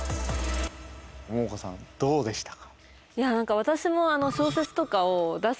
モモコさんどうでしたか？